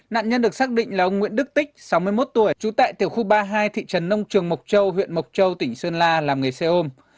nạn nhân được xác định là ông nguyễn đức tích sáu mươi một tuổi trú tại tiểu khu ba mươi hai thị trấn nông trường mộc châu huyện mộc châu tỉnh sơn la làm nghề xe ôm